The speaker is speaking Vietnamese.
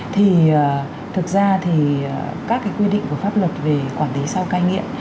thì thực ra thì các quy định của pháp luật về quản lý sau cai nghiện